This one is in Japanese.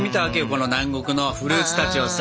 この南国のフルーツたちをさ。